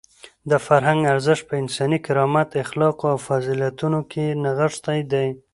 د فرهنګ ارزښت په انساني کرامت، اخلاقو او فضیلتونو کې نغښتی دی.